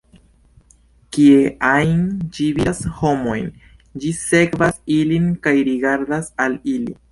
Kie ajn ĝi vidas homojn, ĝi sekvas ilin kaj rigardas al ili.